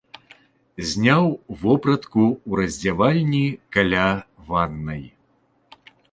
Зняў вопратку ў раздзявальні каля ваннай.